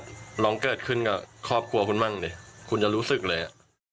ล้มล้วงเกิดขึ้นก๋อครอบกลัวคุณมั่งเนี่ยคุณจะรู้สึกเลยอะ